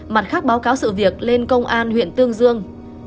mặt khác báo cáo sự việc lên công an huyện tương dương